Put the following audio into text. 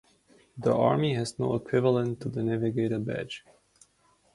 The Army has no equivalent to the Navigator Badge.